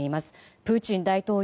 プーチン大統領